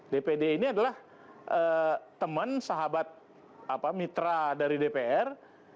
dpd ini adalah teman sahabat mitra dari dpr